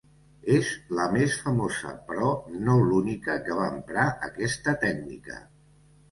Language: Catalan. És la més famosa, però no l'única que va emprar aquesta tècnica.